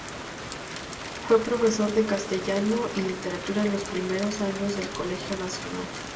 Fue profesor de Castellano y Literatura en los primeros años del Colegio Nacional.